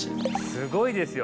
すごいですよ。